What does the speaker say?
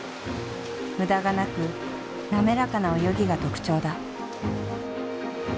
無駄がなく滑らかな泳ぎが特徴だ。